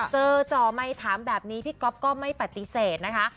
จ่อไมค์ถามแบบนี้พี่ก๊อฟก็ไม่ปฏิเสธนะคะ